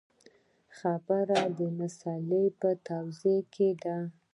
خبره د مسألې په توضیح کې ده.